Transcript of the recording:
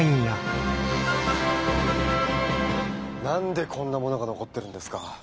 何でこんなものが残ってるんですか？